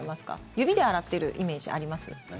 指で洗ってるイメージあります？